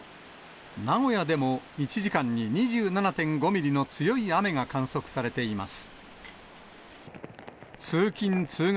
名古屋でも、１時間に２７．５ミリの強い雨が観測されています。